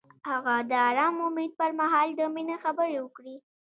هغه د آرام امید پر مهال د مینې خبرې وکړې.